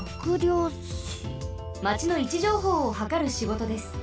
まちのいちじょうほうをはかるしごとです。